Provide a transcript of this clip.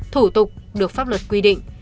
thủ tục được pháp luật quy định